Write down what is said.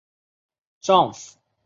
丈夫为查济民次子查懋成。